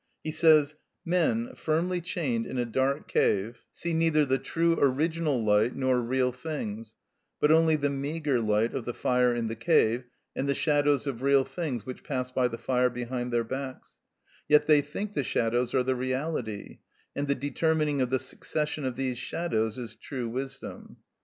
He says: Men, firmly chained in a dark cave, see neither the true original light nor real things, but only the meagre light of the fire in the cave and the shadows of real things which pass by the fire behind their backs; yet they think the shadows are the reality, and the determining of the succession of these shadows is true wisdom.